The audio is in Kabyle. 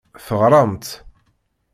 Teɣramt.